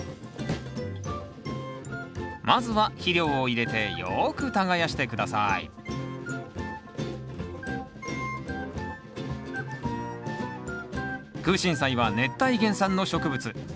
まずは肥料を入れてよく耕して下さいクウシンサイは熱帯原産の植物。